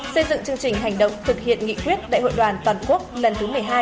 xây dựng chương trình hành động thực hiện nghị quyết đại hội đoàn toàn quốc lần thứ một mươi hai